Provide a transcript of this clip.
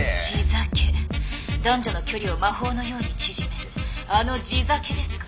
男女の距離を魔法のように縮めるあの地酒ですか。